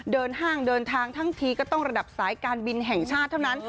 ห้างเดินทางทั้งทีก็ต้องระดับสายการบินแห่งชาติเท่านั้น